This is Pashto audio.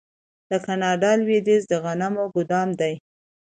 د کاناډا لویدیځ د غنمو ګدام دی.